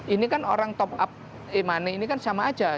ini kan orang top up e money ini kan sama aja